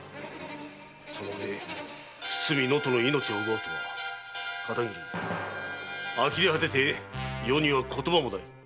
そのうえ堤能登の命を奪うとはあきれ果てて余には言葉もない。